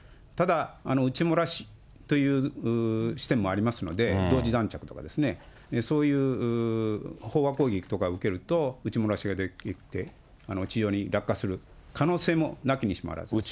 ただ、打ち漏らしという視点もありますので、同時弾着とかですね、そういうてんーこうげきをうけると、打ち漏らしがいって、地上に落下する可能性もなきにしもあらず。